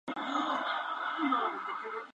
Su esposa fue arrestada por los mismos cargos.